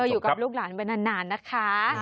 อยู่กับลูกหลานไปนานนะคะ